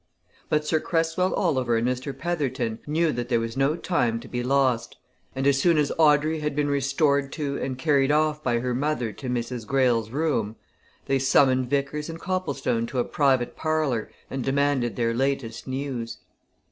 But Sir Cresswell Oliver and Mr. Petherton knew that there was no time to be lost, and as soon as Audrey had been restored to and carried off by her mother to Mrs. Greyle's room, they summoned Vickers and Copplestone to a private parlour and demanded their latest news.